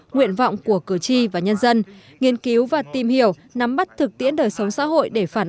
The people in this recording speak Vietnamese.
nguyện vọng của cử tri và nhân dân nghiên cứu và tìm hiểu nắm bắt thực tiễn đời sống xã hội để phản ánh